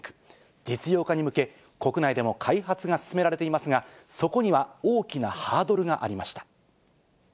実用化に向け、国内でも開発が進められていますが、そこには大きなハードルがありました。